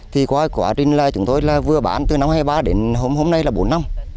thì qua quá trình là chúng tôi vừa bán từ năm hai nghìn ba đến hôm nay là bốn năm